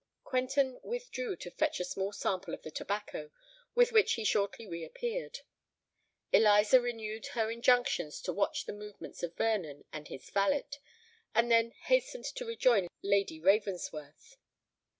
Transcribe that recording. Quentin withdrew to fetch a small sample of the tobacco, with which he shortly re appeared. Eliza renewed her injunctions to watch the movements of Vernon and his valet; and then hastened to rejoin Lady Ravensworth.